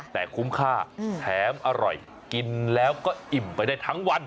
แต่คุ้มค่าแถมอร่อยกินแล้วก็อิ่มไปได้ทั้งวัน